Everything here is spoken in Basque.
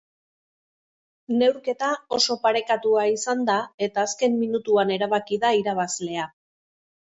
Neurketa oso parekatua izan da, eta azken minutuan erabaki da irabazlea.